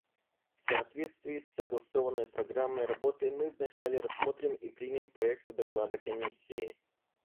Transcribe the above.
В соответствии с согласованной программой работы мы вначале рассмотрим и примем проект доклада Комиссии.